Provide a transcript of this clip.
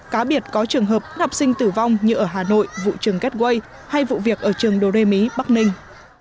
cá biệt có trường hợp học sinh tử vong như ở hà nội vụ trường getway hay vụ việc ở trường đô đê mỹ bắc ninh